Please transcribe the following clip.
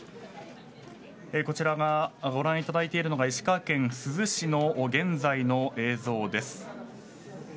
こちらがご覧いただいているのが石川県珠洲市の現在の映像です。